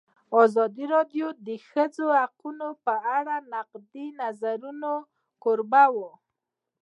ازادي راډیو د د ښځو حقونه په اړه د نقدي نظرونو کوربه وه.